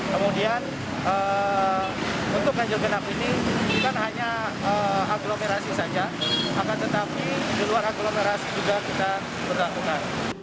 kemudian untuk ganjil genap ini bukan hanya